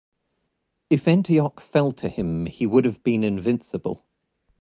If Antioch fell to him, he would have been invincible.